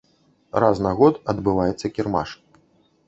Раз на год адбываецца кірмаш.